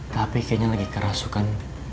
tapi kayaknya lagi kerasukan